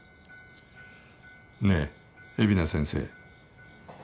ねえ海老名先生。